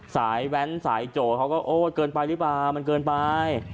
แว้นสายโจเขาก็โอ้ยเกินไปหรือเปล่ามันเกินไป